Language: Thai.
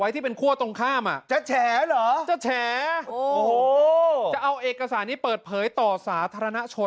ต่อสาธารณะชน